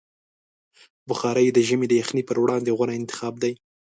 بخاري د ژمي د یخنۍ پر وړاندې غوره انتخاب دی.